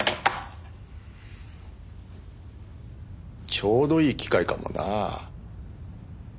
ちょうどいい機会かもな。